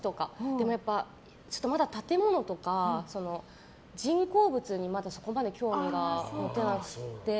でも、ちょっとまだ建物とか人工物にそこまで興味が持てなくて。